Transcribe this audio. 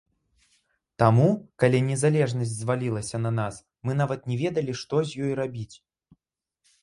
Таму, калі незалежнасць звалілася на нас, мы нават не ведалі, што з ёй рабіць.